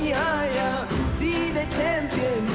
ท่านแรกครับจันทรุ่ม